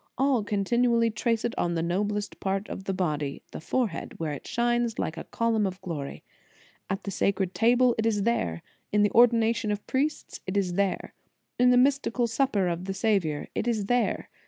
All continually trace it on the noblest part of the body, the forehead, where it shines like a column of glory. At the sacred table, it is there ; in the ordination of priests, it is there ; 226 The Sign of the Cross in the mystical Supper of the Saviour, it is there.